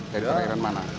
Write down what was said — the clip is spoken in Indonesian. dari perairan mana